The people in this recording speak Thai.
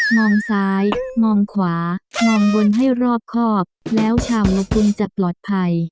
มองซ้ายมองขวามองบนให้รอบครอบแล้วชาวระกุลจะปลอดภัย